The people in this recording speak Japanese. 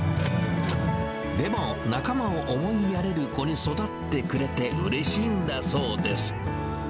でも、仲間を思いやれる子に育ってくれてうれしいんだそうです。